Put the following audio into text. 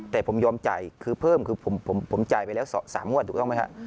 แต่ผมยอมจ่ายคือเพิ่มคือผมผมผมจ่ายไปแล้วสามมวดถูกต้องไหมฮะ